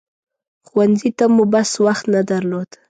ښوونځي ته مو بس وخت نه درلود.